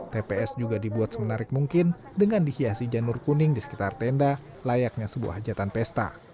tps juga dibuat semenarik mungkin dengan dihiasi janur kuning di sekitar tenda layaknya sebuah hajatan pesta